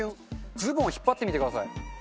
ズボン引っ張ってみてください。